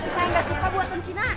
saya nggak suka buatan cina